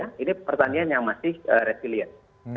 anjlok ya ini pertanian yang masih resilient